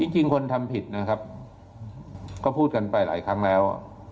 จริงคนทำผิดนะครับก็พูดกันไปหลายครั้งแล้ว